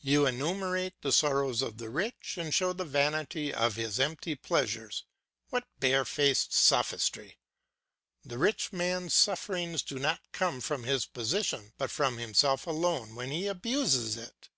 You enumerate the sorrows of the rich, and show the vanity of his empty pleasures; what barefaced sophistry! The rich man's sufferings do not come from his position, but from himself alone when he abuses it.